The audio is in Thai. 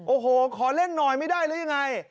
โอ้โหขอเล่นหน่อยไม่ได้หรือยังไง